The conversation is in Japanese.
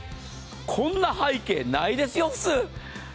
こんな背景ないですよ、普通。